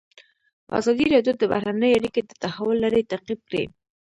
ازادي راډیو د بهرنۍ اړیکې د تحول لړۍ تعقیب کړې.